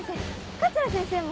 桂先生も！